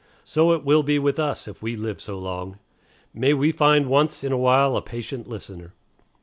So it will be with us, if we live so long. May we find once in a while a patient listener.